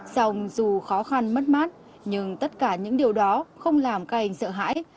xong dù khó khăn mất mát nhưng tất cả những điều đó không làm các anh sợ hãi